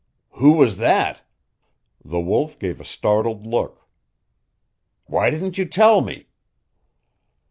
"Who was that?" The Wolf gave a startled look. "Why didn't you tell me?"